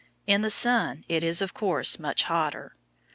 In the sun it is of course much hotter.